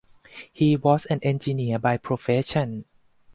He was an engineer by profession.